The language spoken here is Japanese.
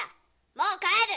もう帰る！